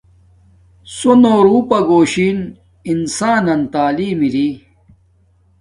سُونو روپا گھوشن انسان نن تعلیم اری